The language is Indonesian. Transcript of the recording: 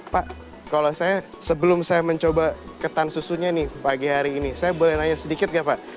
pak kalau saya sebelum saya mencoba ketan susunya nih pagi hari ini saya boleh nanya sedikit nggak pak